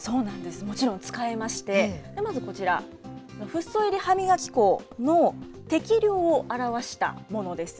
もちろん使えまして、まずこちら、フッ素入り歯磨き粉の適量を表したものです。